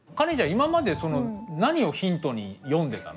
今まで何をヒントに読んでたの？